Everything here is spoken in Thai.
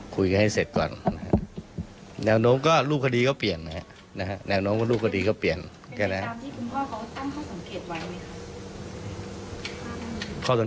แต่คือคดีนี้ก็คือรูปคดีเปลี่ยนแน่นอน